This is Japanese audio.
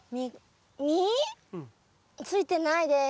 ついてないです。